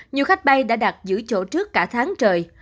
nhiều khách bay đã đặt giữ chỗ trước cả tháng trời